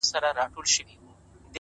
زخمي ـ زخمي سترګي که زما وویني ـ